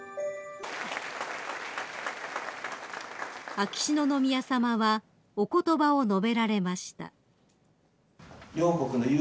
［秋篠宮さまはお言葉を述べられました］